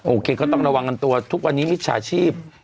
ก็ต้องระวังกันตัวทุกวันนี้มิจฉาชีพ